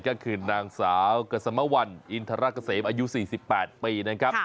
ก็คือนางสาวกัสมวัลอินทรกเกษมอายุ๔๘ปีนะครับ